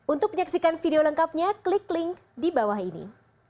untuk menyaksikan video lengkapnya klik link di bawah ini